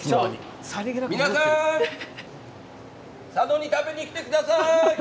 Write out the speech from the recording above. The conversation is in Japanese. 皆さん佐野に食べに来てください。